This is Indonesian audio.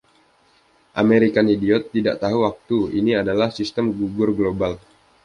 "American Idiot" tidak tahu waktu - ini adalah sistem gugur global.